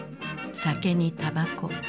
酒にたばこ。